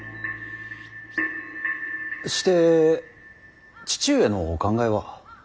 して父上のお考えは。